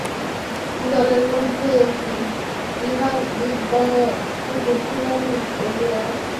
দলের মধ্যে ইঁহার বিদ্বান ও বুদ্ধিমান বলিয়া বিশেষ খ্যাতি আছে।